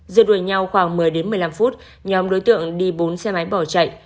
rồi đuổi nhau khoảng một mươi đến một mươi năm phút nhóm đối tượng đi bốn xe máy bỏ chạy